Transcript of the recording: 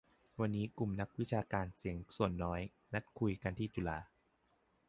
วันนี้กลุ่มนักวิชาการ"เสียงส่วนน้อย" นัดคุยกันที่จุฬา